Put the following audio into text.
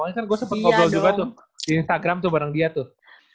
maksudnya gue sempet ngobrol juga tuh di instagram tuh bareng dia tuh